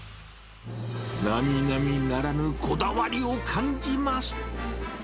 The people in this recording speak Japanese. なみなみならぬこだわりを感じます。